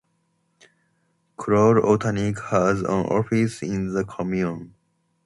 Kroll Ontrack has an office in the commune.